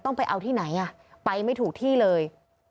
ไปเอาที่ไหนไปไม่ถูกที่เลย